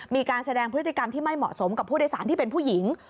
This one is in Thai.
มีการแสดงพฤติกรรมที่ไม่เหมาะสมกับผู้โดยสารที่เป็นผู้หญิง